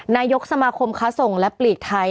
นายกสมาคมค้าส่งและปลีกไทย